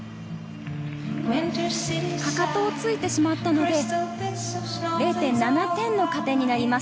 かかとをついてしまったので、０．７点の加点になります。